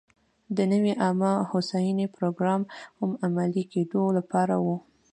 د نوې عامه هوساینې پروګرام عملي کېدو لپاره و.